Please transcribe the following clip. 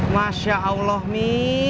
masya allah mi